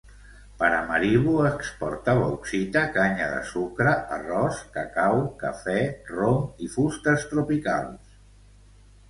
Paramaribo exporta bauxita, canya de sucre, arròs, cacau, cafè, rom i fustes tropicals.